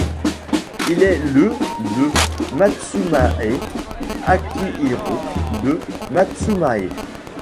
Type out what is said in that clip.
Il est le de Matsumae Akihiro, de Matsumae.